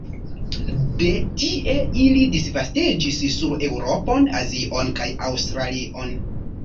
De tie ili disvastiĝis sur Eŭropon, Azion kaj Aŭstralion.